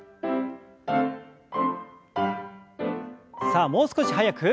さあもう少し速く。